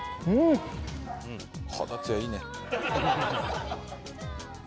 肌つやいいね。